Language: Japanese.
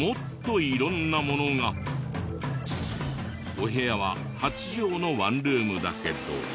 お部屋は８畳のワンルームだけど。